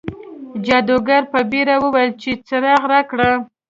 جادوګر په بیړه وویل چې څراغ راکړه.